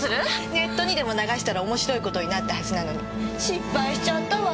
ネットにでも流したら面白い事になったはずなのに失敗しちゃったわ。